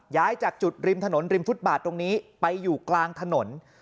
ย้ายจากจุดริมถนนริมฟุตบาทตรงนี้ไปอยู่กลางถนน